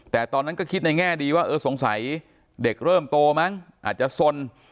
แต่ตอนนั้นก็คิดในแง่ดีว่าเออสงสัยเด็กเริ่มโตมั้งอาจจะสน